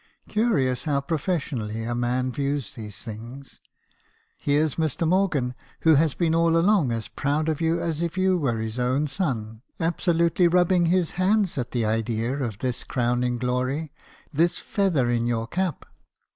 "'Curious! how professionally a man views these things. Here 's Mr. Morgan, who has been all along as proud of you as if you were his own son, absolutely rubbing his hands at the idea of this crowning glory, this feather in your cap!